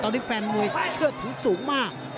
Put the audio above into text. ตอนนี้แฟนมวยเชื่อถือสูงมาก